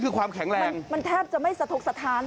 คือความแข็งแรงมันแทบจะไม่สะทกสถาน